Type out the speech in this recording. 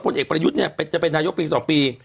เอกประยุทธ์เนี่ยจะเป็นนายกปี๒ปี